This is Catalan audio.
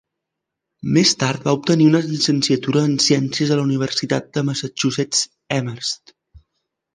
Més tard va obtenir una llicenciatura en Ciències a la Universitat de Massachusetts Amherst.